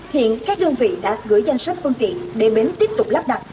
hiện các đơn vị đã gửi danh sách phương tiện để bến tiếp tục lắp đặt